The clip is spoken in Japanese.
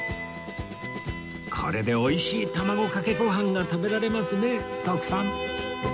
これで美味しい卵かけご飯が食べられますね徳さん